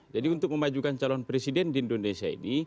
jadi untuk memajukan calon presiden di indonesia ini